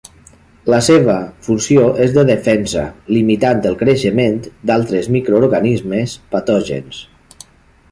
La seva funció és de defensa, limitant el creixement d'altres microorganismes patògens.